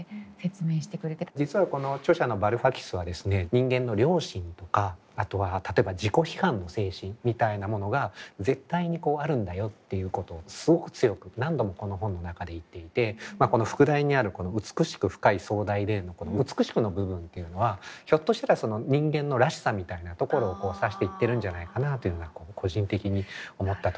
人間の良心とかあとは例えば自己批判の精神みたいなものが絶対にこうあるんだよっていうことをすごく強く何度もこの本の中で言っていてこの副題にあるこの「美しく、深く、壮大で」のこの「美しく」の部分っていうのはひょっとしたら人間のらしさみたいなところを指して言ってるんじゃないかなというような個人的に思ったところですね。